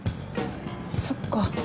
そっか。